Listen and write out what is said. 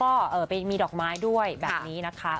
ก็ไปมีดอกไม้ด้วยแบบนี้นะคะ